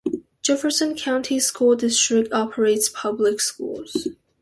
Jefferson County School District operates public schools.